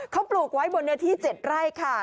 เขาปลูกไว้บนเนื้อที่๗ไร่ค่ะ